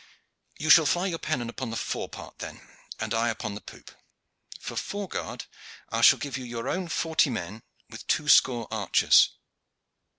"You shall fly your pennon upon the fore part, then, and I upon the poop. For foreguard I shall give you your own forty men, with two score archers.